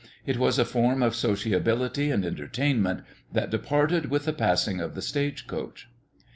It was a form of sociability and entertainment that departed with the passing of the stage coach.